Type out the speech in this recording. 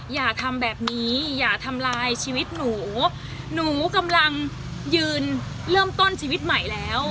อย่าทำแบบนี้อย่าทำลายชีวิตหนูหนูกำลังยืนเริ่มต้นชีวิตใหม่แล้ว